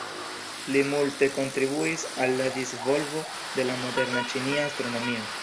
Li multe kontribuis al la disvolvo de la moderna ĉinia astronomio.